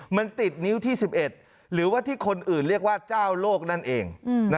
มันติดนิ้วที่๑๑หรือว่าที่คนอื่นเรียกว่าเจ้าโลกนั่นเอง